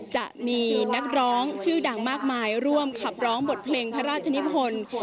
จะมีนักร้องชื่อดังมากมายร่วมขับร้องบทเพลงพระราชนิพล